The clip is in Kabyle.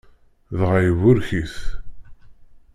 Dɣa iburek-it.